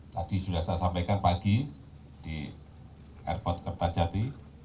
tadi sudah saya sampaikan pagi di airport kertajati